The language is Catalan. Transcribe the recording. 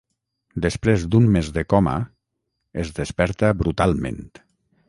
Després d'un mes de coma, es desperta brutalment.